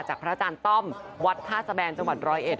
พระอาจารย์ต้อมวัดท่าสแบนจังหวัดร้อยเอ็ด